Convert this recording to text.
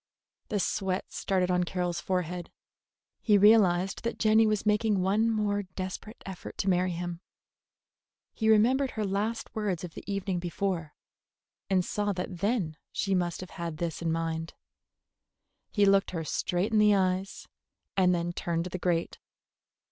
The sweat started on Carroll's forehead. He realized that Jenny was making one more desperate effort to marry him. He remembered her last words of the evening before, and saw that then she must have had this in mind. He looked her straight in the eyes, and then turned to the grate.